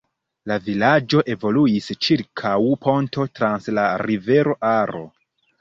La vilaĝo evoluis ĉirkaŭ ponto trans la rivero Aro.